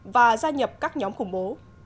và gia nhập các nhóm khủng bố